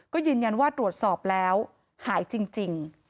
ก็ยืนยันว่าตรวจสอบแล้วหายจริง